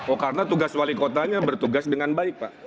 oh karena tugas wali kotanya bertugas dengan baik pak